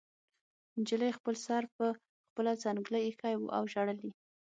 نجلۍ خپل سر په خپله څنګله ایښی و او ژړل یې